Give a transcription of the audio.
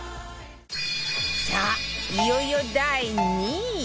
さあいよいよ第２位